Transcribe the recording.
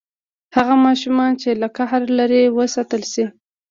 هغه ماشومان چې له قهر لرې وساتل شي.